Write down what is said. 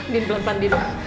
din pelan pelan din